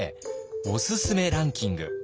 おすすめランキング。